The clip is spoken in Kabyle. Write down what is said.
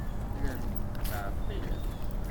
Llant ttɛeḍḍilent.